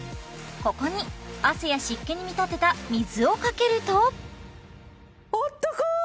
ここに汗や湿気に見立てた水をかけるとえっ！？